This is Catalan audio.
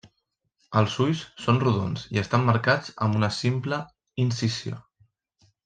Els ulls són rodons i estan marcats amb una simple incisió.